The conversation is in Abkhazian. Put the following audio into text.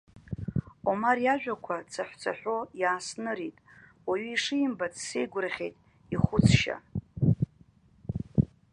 Омар иажәақәа цаҳәцаҳәо иааснырит, уаҩы ишимбац сеигәырӷьеит ихәыцшьа.